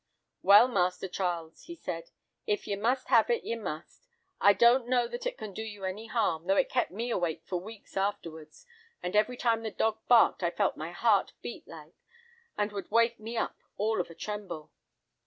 "'Well, Master Charles,' he said, 'if ye must have it, ye must. I don't know that it can do you any harm, though it kept me awake for weeks afterwards, and every time the dog barked I felt my heart beat like, and would wake me up all of a tremble.